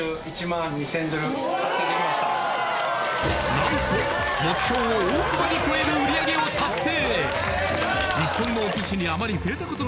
何と目標を大幅に超える売り上げを達成